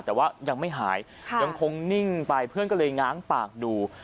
แต่ว่ายังไม่หายยังคงนิ่งไปเพื่อนก็เลยง้างปากดู